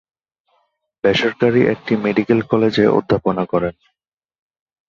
বেসরকারি একটি মেডিকেল কলেজে অধ্যাপনা করেন।